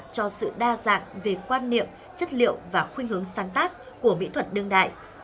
cho sự đa dạng về quan niệm chất liệu và khuyên hướng sáng tác của mỹ thuật đương đại